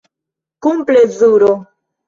Kun plezuro.